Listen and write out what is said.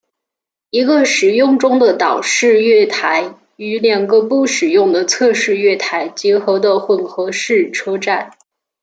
一个使用中的岛式月台与两个不使用的侧式月台结合的混合式车站。